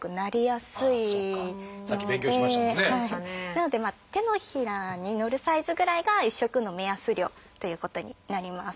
なので手のひらに乗るサイズぐらいが一食の目安量ということになります。